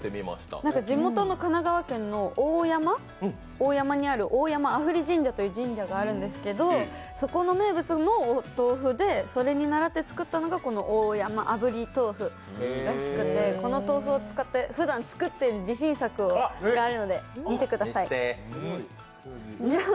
地元の神奈川県の大山にある大山阿夫利神社っていう神社があるんですけど、そこの名物のお豆腐で、それに倣って作ったのがこの大山阿夫利豆腐でして、この豆腐を使って、ふだん作っている自信作があるので、見てください。